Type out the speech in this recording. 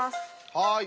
はい。